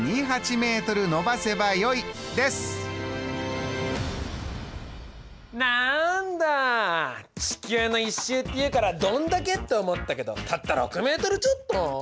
答えはなんだ地球の１周っていうからどんだけって思ったけどたった６ｍちょっと！？